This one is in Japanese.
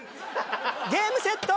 ゲームセット！